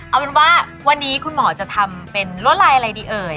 เอาเป็นว่าวันนี้คุณหมอจะทำเป็นลวดลายอะไรดีเอ่ย